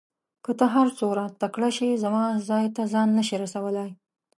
که ته هر څوره تکړه شې زما ځای ته ځان نه شې رسولای.